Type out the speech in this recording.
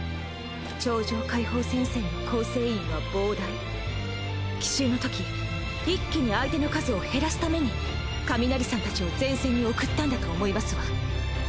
超常解放戦線の構成員は膨大奇襲のとき一気に相手の数を減らすために上鳴さん達を前線に送ったんだと思いますわ。